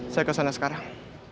saya kesana sekarang